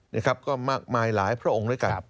นะครับก็มากมายหลายพระองค์ด้วยกัน